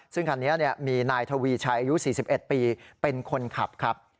ซึ่งคันนี้มีนายทวีชัยอายุ๔๑ปีเป็นคนขับครับ